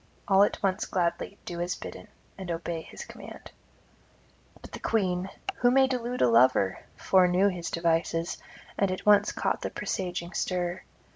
All at once gladly do as bidden, and obey his command. But the Queen who may delude a lover? foreknew his devices, and at once caught the presaging stir.